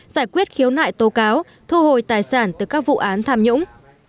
báo thu hồi tài sản từ các vụ án tham nhũng